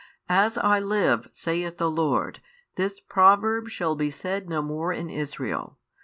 As I live, saith the Lord, this proverb shall be said no more in Israel.